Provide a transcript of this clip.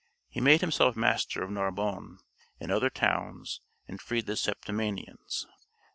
He made himself master of Narbonne and other towns, and freed the Septimanians.